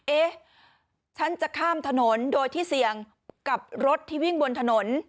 เอ๊ะฉันจะข้ามถนนโดยที่เสี่ยงกับรถที่วิ่งบนถนน